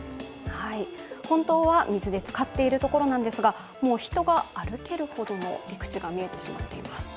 本当は水でつかっているところなんですが人が歩けるほどの陸地が見えてしまっています。